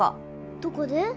どこで？